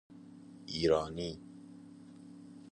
ایرانی